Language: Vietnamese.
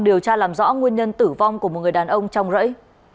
điều tra làm rõ nguyên nhân tử vong của một người đàn ông trong rẫy